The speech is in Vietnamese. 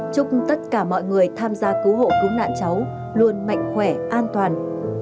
chúc tất cả mọi người tham gia cứu hộ cứu nạn cháu luôn mạnh khỏe an toàn